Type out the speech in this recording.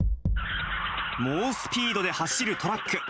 猛スピードで走るトラック。